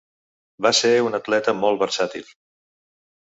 Va ser un atleta molt versàtil.